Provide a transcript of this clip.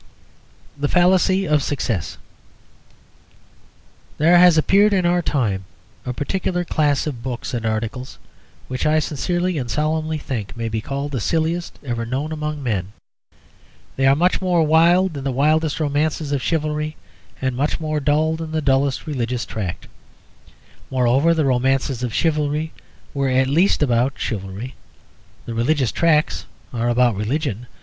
THE FALLACY OF SUCCESS There has appeared in our time a particular class of books and articles which I sincerely and solemnly think may be called the silliest ever known among men. They are much more wild than the wildest romances of chivalry and much more dull than the dullest religious tract. Moreover, the romances of chivalry were at least about chivalry; the religious tracts are about religion.